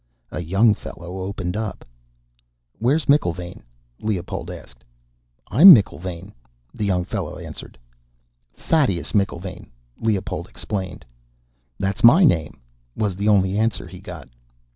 "A young fellow opened up. "'Where's McIlvaine?' Leopold asked. "'I'm McIlvaine,' the young fellow answered. "'Thaddeus McIlvaine,' Leopold explained. "'That's my name,' was the only answer he got.